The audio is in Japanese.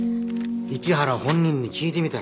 市原本人に聞いてみたら？